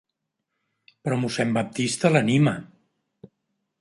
Però mossèn Baptista l'anima.